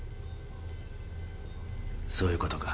そういうことか。